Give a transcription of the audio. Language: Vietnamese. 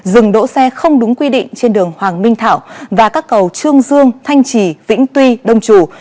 dừng đỗ xe không đúng quy định trên đường hoàng minh thảo và các cầu trương dương thanh trì vĩnh tuy đông chủ